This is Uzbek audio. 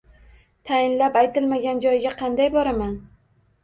– Tayinlab aytilmagan joyga qanday boraman?